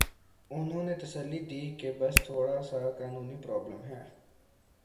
انہوں نے تسلی دی کہ بس تھوڑا سا قانونی پرابلم ہے۔